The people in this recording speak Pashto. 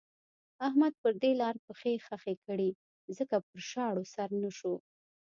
احمد پر دې لاره پښې خښې کړې ځکه پر شاړو سر نه شو.